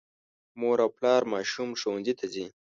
مور او پلار ماشوم ښوونځي ته ځي.